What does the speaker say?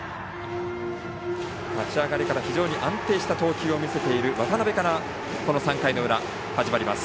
立ち上がりから安定した投球を見せている渡邊から始まります。